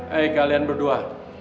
hei kalian berdua